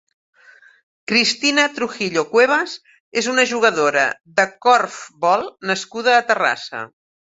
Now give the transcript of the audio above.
Cristina Trujillo Cuevas és una jugadora de corfbol nascuda a Terrassa.